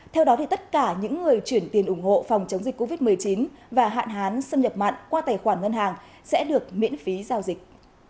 theo đó tất cả những người chuyển tiền ủng hộ phòng chống dịch covid một mươi chín và hạn hán xâm nhập mặn qua tài khoản ngân hàng sẽ được miễn phí giao dịch